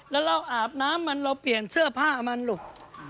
แล้วเราอาบน้ำมันเราเปลี่ยนเสื้อผ้ามันลูก